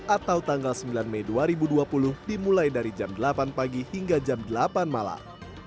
atau tanggal sembilan mei dua ribu dua puluh dimulai dari jam delapan pagi hingga jam delapan malam